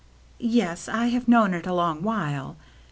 " Yes, I have known it a long while."